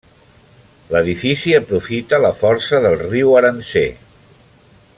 L'edifici aprofita la força del riu Arànser.